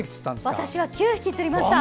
私は９匹釣りました。